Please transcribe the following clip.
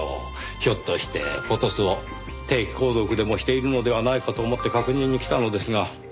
ひょっとして『フォトス』を定期購読でもしているのではないかと思って確認に来たのですが。